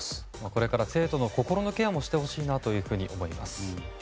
これから生徒の心のケアもしてほしいと思います。